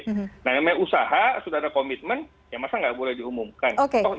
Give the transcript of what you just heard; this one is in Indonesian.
nah namanya usaha sudah ada komitmen ya masa nggak boleh diumumkan